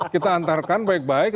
kita antarkan baik baik